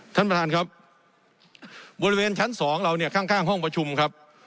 ท่านประธานครับบริเวณชั้นสองเราเนี่ยข้างข้างห้องประชุมครับ